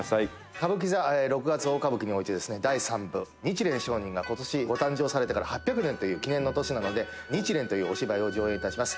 「歌舞伎座六月大歌舞伎においてですね第三部日蓮聖人が今年ご誕生されてから８００年という記念の年なので『日蓮』というお芝居を上演致します」